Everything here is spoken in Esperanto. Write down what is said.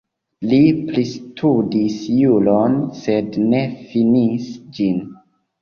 Li pristudis juron, sed ne finis ĝin.